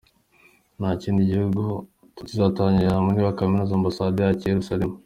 Nta kindi gihugu kiratangaza niba kizimurira Ambasade yacyo i Yeruzalemu.